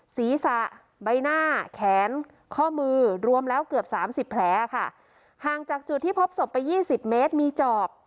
ศีรษะใบหน้าแขนข้อมือรวมแล้วเกือบสามสิบแผลค่ะห่างจากจุดที่พบศพไปยี่สิบเมตรมีจอบ